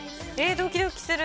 ドキドキする。